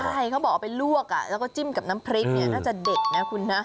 ใช่เขาบอกเอาไปลวกแล้วก็จิ้มกับน้ำพริกเนี่ยน่าจะเด็ดนะคุณนะ